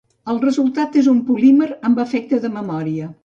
El resultat és un polímer amb efecte de memòria.